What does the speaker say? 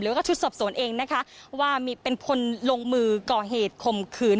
แล้วก็ชุดสอบสวนเองนะคะว่าเป็นคนลงมือก่อเหตุข่มขืน